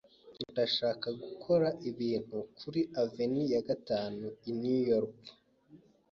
Ndashaka gukora ibintu kuri Avenue ya Gatanu i New York.